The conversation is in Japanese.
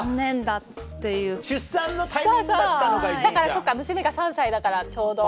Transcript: そっか娘が３歳だからちょうど。